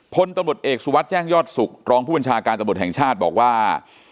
พลตำรวจเอกสุวัสดิ์แจ้งยอดสุขรองผู้บัญชาการตำรวจแห่งชาติบอกว่า